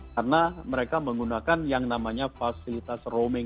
karena mereka menggunakan yang namanya fasilitas roaming